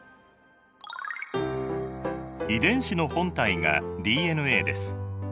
遺伝子の本体がＤＮＡです。